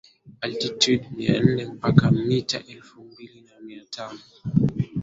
altitude mia nne mpaka meta elfu mbili na mia tano